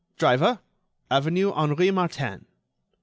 "Driver—avenue Henri Martin."